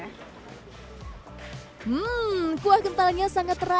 hmm kuah kentalnya sangat terasa